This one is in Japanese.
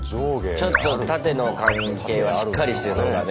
ちょっと縦の関係はしっかりしてそうだね。